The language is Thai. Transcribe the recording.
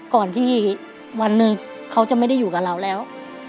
ก่อนที่วันหนึ่งเขาจะไม่ได้อยู่กับเราแล้ว